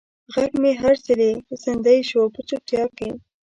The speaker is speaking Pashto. غږ مې هر ځلې زندۍ شو په چوپتیا کې